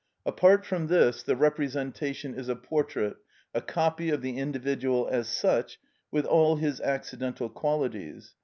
Apart from this the representation is a portrait, a copy of the individual as such, with all his accidental qualities.